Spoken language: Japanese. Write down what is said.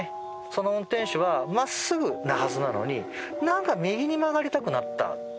その運転手は真っすぐなはずなのに何か右に曲がりたくなったっていうんですよ。